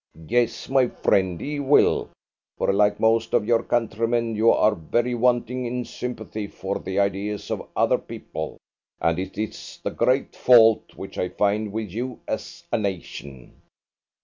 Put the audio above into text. "Yes, my friend, he will, for, like most of your countrymen, you are very wanting in sympathy for the ideas of other people, and it is the great fault which I find with you as a nation."